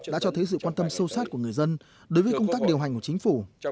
đã cho thấy sự quan tâm sâu sát của người dân đối với công tác điều hành của chính phủ